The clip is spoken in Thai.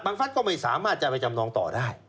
ฟัฐก็ไม่สามารถจะไปจำนองต่อได้